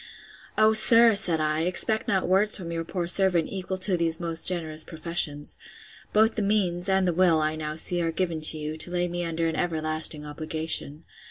O, sir, said I, expect not words from your poor servant, equal to these most generous professions. Both the means, and the will, I now see, are given to you, to lay me under an everlasting obligation.